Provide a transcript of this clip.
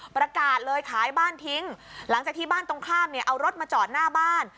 ประกาศเลยขายบ้านทิ้งหลังจากที่บ้านตรงข้ามเนี่ยเอารถมาจอดหน้าบ้าน